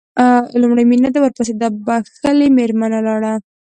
لومړی مينه ورپسې دا بښلې مېرمنه لاړه.